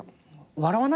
「笑わないの？」